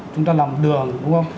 chúng ta làm đường đúng không